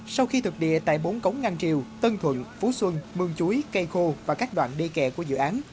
sau khi thực địa tại bốn cống ngang triều tân thuận phú xuân mương chúi cây khô và các đoạn đê kẹ của dự án